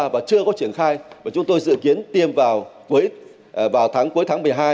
và chưa có triển khai và chúng tôi dự kiến tiêm vào tháng cuối tháng một mươi hai